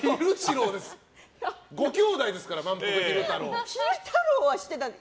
ご兄弟ですからまんぷく昼太郎の。